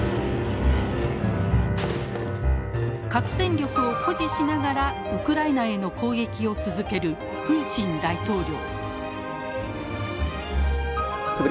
核戦力を誇示しながらウクライナへの攻撃を続けるプーチン大統領。